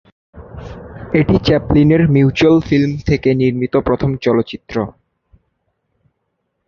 এটি চ্যাপলিনের mutual film থেকে নির্মিত প্রথম চলচ্চিত্র।